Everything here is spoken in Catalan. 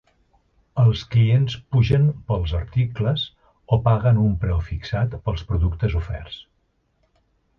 Els clients pugen pels articles o paguen un preu fixat pels productes oferts.